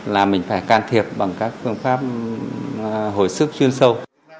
là mình phải can thiệp bằng các phương pháp hồi sức chuyên sâu